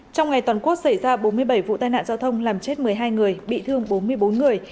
trong ngày toàn quốc xảy ra bốn mươi bảy vụ tai nạn giao thông làm chết một mươi hai người bị thương bốn mươi bốn người